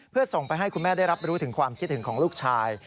เพื่อส่งไปให้คุณแม่ได้รับรู้ถึงความคิดถึงของลูกชาย